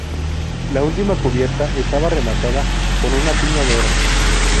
La última cubierta estaba rematada con una piña de oro.